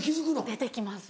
出て来ます